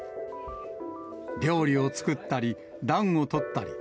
料理を作ったり、暖をとったり。